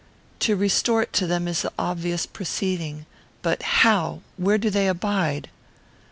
To restore it to them is the obvious proceeding but how? Where do they abide?"